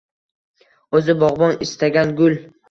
O‘zi bog‘bon istagan gul